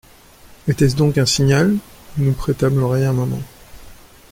Était-ce donc un signal ? Nous prêtâmes l'oreille un moment.